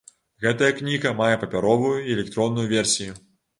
Гэтая кніга мае папяровую і электронную версію.